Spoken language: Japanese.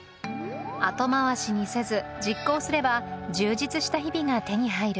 後回しにせず実行すれば充実した日々が手に入る